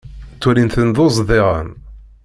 Ttwalin-ten d uẓdiren.